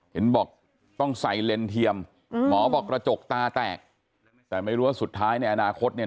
เห็นบอกต้องใส่เลนส์เทียมหมอบอกกระจกตาแตกแต่ไม่รู้ว่าสุดท้ายในอนาคตเนี่ย